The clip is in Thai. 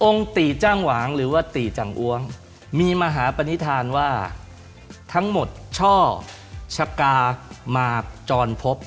องค์ติจังหวังหรือว่าติจังอ้วงมีมหาปนิธานว่าทั้งหมดช่อชะกามาจรพพ